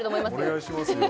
お願いしますよ